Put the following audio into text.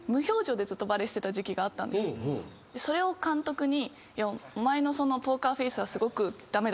それを監督に。